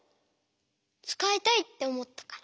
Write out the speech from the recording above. つかいたいっておもったから。